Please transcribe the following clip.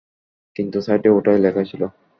কিন্তু সাইটে ওটাই লেখা ছিল।